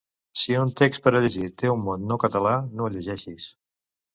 Si un text per a llegir té un mot no català, no el llegeixis!